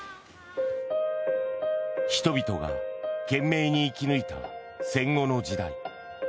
人々が懸命に生き抜いた戦後の時代。